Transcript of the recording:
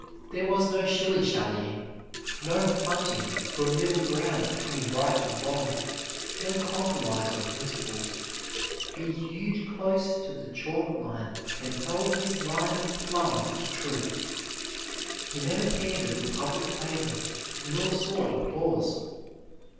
There was no shilly shallying, no hunting for a middle ground between right and wrong, no compromise on principles. He hewed close to the chalk line and held his line plumb to truth. He never pandered for public favor nor sought applause.